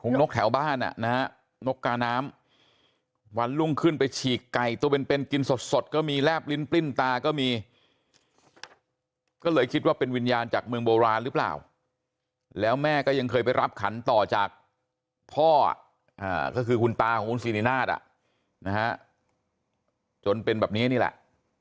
นกแถวบ้านอ่ะนะฮะนกกาน้ำวันรุ่งขึ้นไปฉีกไก่ตัวเป็นเป็นกินสดก็มีแลบลิ้นปลิ้นตาก็มีก็เลยคิดว่าเป็นวิญญาณจากเมืองโบราณหรือเปล่าแล้วแม่ก็ยังเคยไปรับขันต่อจากพ่อก็คือคุณตาของคุณสิรินาทนะฮะจนเป็นแบบนี้นี่แหละ